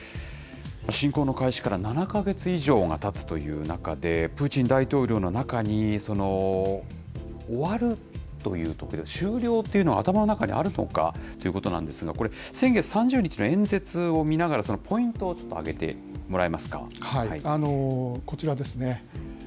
侵攻の開始から７か月以上がたつという中で、プーチン大統領の中に終わるという、終了というのは、頭の中にあるのかということなんですが、これ、先月３０日の演説を見ながら、ポイントをちこちらですね。